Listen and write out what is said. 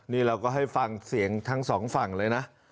นี่เราก็ให้ฟังเสียงทั้งสองฝั่งเลยนะ